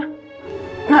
biar saya hubungi keluarganya